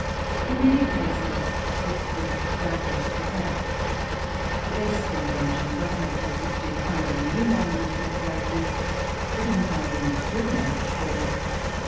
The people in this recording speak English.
In many cases this was doubtless the fact. The best invention does not consist in finding new languege for characters, but in finding the true language for them.